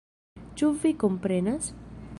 Ĉu vi komprenas?